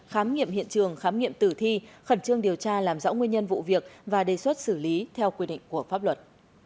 khám nghiệm hiện trường khám nghiệm tử thi khẩn trương điều tra làm rõ nguyên nhân vụ việc và đề xuất xử lý theo quy định của pháp luật